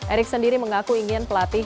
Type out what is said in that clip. erick sendiri mengaku ingin pelatih